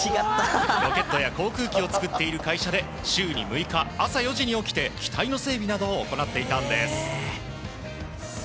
ロケットや航空機を作っている会社で、週に６日朝４時に起きて機体の整備などを行っていたんです。